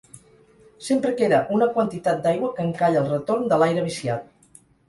Sempre queda una quantitat d'aigua que encalla el retorn de l'aire viciat.